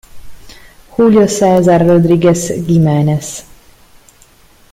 Julio César Rodríguez Giménez